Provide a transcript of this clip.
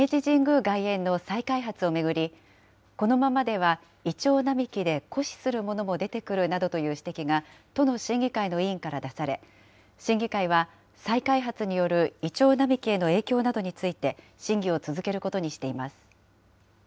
外苑の再開発を巡り、このままではイチョウ並木で枯死するものも出てくるなどという指摘が都の審議会の委員から出され、審議会は、再開発によるイチョウ並木への影響などについて審議を続けることにしています。